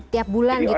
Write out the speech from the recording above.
tiap bulan gitu ya dok